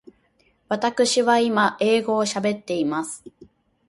わたくしは今英語を喋っています。